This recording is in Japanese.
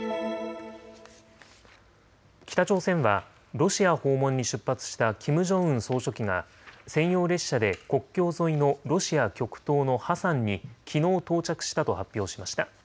北朝鮮はロシア訪問に出発したキム・ジョンウン総書記が専用列車で国境沿いのロシア極東のハサンにきのう到着したと発表しました。